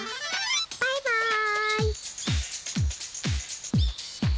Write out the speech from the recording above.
バイバーイ！